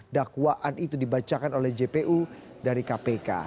dakwaan itu dibacakan oleh jpu dari kpk